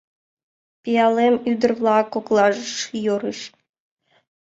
Пиалем ӱдыр-влак коклаш йӧрыш.